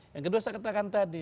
yang kedua saya katakan tadi